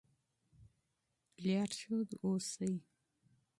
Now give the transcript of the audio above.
رهبر اوسئ.